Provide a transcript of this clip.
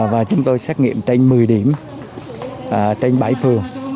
và chúng tôi xét nghiệm trên một mươi điểm trên bảy phường